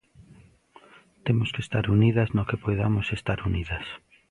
Temos que estar unidas no que poidamos estar unidas.